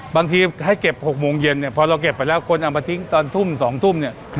บางทีให้เก็บ๖โมงเย็นเนี่ยพอเราเก็บไปแล้วคนเอามาทิ้งตอนทุ่ม๒ทุ่มเนี่ย